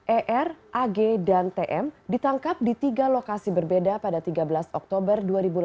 er ag dan tm ditangkap di tiga lokasi berbeda pada tiga belas oktober dua ribu delapan belas